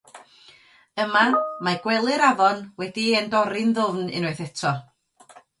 Yma, mae gwely'r afon wedi'i endorri'n ddwfn unwaith eto.